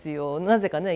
なぜかね